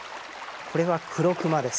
これはクロクマです。